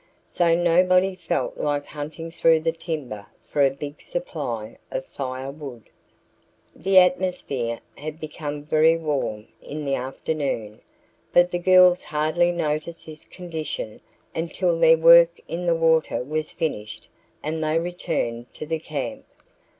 So nobody felt like hunting through the timber for a big supply of firewood. The atmosphere had become very warm in the afternoon, but the girls hardly noticed this condition until their work in the water was finished and they returned to the camp.